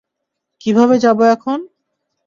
কীভাবে যাবো এখন?